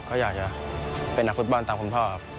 ก็อยากจะเป็นนักฟุตบอลตามคุณพ่อครับ